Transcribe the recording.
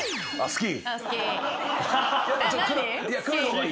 好き。